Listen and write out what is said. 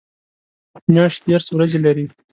میاشت دېرش ورځې لري